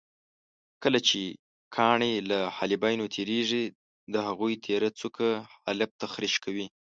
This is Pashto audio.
کله چې کاڼي له حالبینو تېرېږي د هغوی تېره څوکه حالب تخریش کوي.